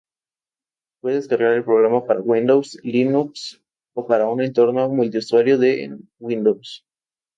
Puede descargar el programa para Windows, Linux o para un entorno multiusuario en Windows.